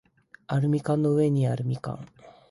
アルミ缶の上にある蜜柑